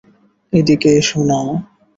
এদিকে এসো না!